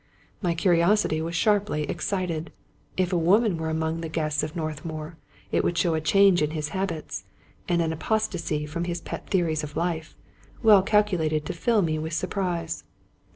My curiosity was sharply excited. If a woman were among the guests of Northmour, it would show a change in his habits, and an apostasy from his pet theories of life, well calculated to fill me with surprise.